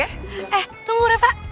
eh tunggu ref